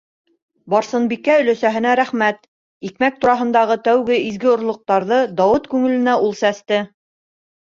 Барсынбикә өләсәһенә рәхмәт, икмәк тураһындағы тәүге изге орлоҡтарҙы Дауыт күңеленә ул сәсте.